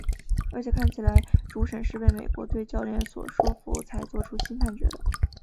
而且看起来主审是被美国队教练所说服才做出新判决的。